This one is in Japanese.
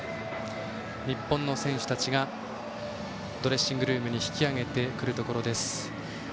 日本の選手たちがドレッシングルームに引き揚げてくるところです。